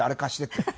って。